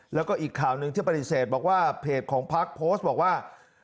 แล้วก็อีกข่าวหนึ่งที่ปฏิเสธบอกว่าเพจของพักโพสต์บอกว่า